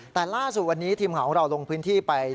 แต่ล่าสุดวันนี้ทีมของเราลงพื้นที่ไปที่บ้าน